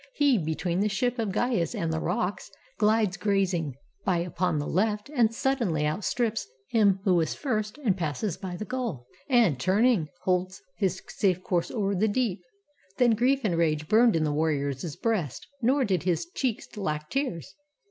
He, between the ship Of Gyas and the rocks, ghdes grazing by Upon the left, and suddenly outstrips 237 ROME Him who was first, and passes by the goal; And, turning, holds his safe course o'er the deep. Then grief and rage burned in the warrior's breast, Nor did his cheeks lack tears.